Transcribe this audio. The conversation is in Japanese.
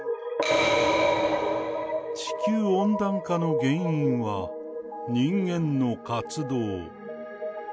地球温暖化の原因は、人間の活動。